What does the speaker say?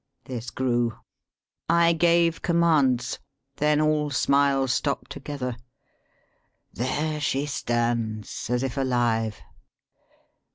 This grew; I gave com mands ; Then all smiles stopped together. There she stands As if alive.